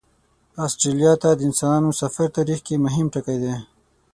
استرالیا ته د انسانانو سفر تاریخ کې مهم ټکی دی.